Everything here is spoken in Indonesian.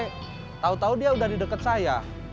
sampai tau tau dia udah di deket saya